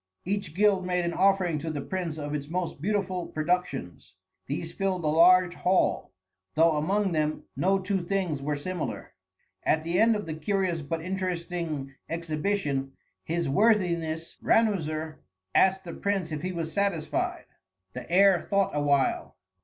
Each guild made an offering to the prince of its most beautiful productions. These filled a large hall, though among them no two things were similar. At the end of the curious but interesting exhibition, his worthiness Ranuzer asked the prince if he was satisfied. The heir thought awhile.